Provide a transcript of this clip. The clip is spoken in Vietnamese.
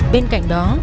bên cạnh đó